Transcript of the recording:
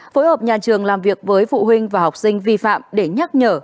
phối hợp nhà trường làm việc với phụ huynh và học sinh vi phạm để nhắc nhở